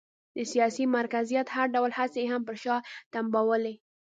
د سیاسي مرکزیت هر ډول هڅې یې هم پر شا تمبولې.